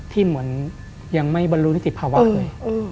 ที่เหมือนยังไม่บรรลุนิติภาวะเลย